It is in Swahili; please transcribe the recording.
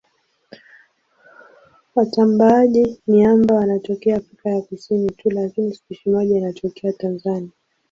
Watambaaji-miamba wanatokea Afrika ya Kusini tu lakini spishi moja inatokea Tanzania.